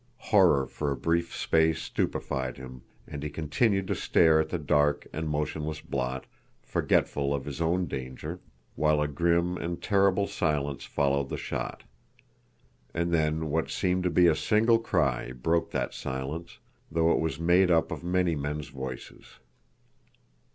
Horror for a brief space stupefied him, and he continued to stare at the dark and motionless blot, forgetful of his own danger, while a grim and terrible silence followed the shot. And then what seemed to be a single cry broke that silence, though it was made up of many men's voices.